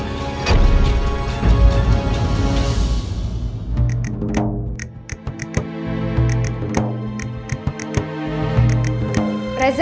untunguem penghasukan yesterday's hope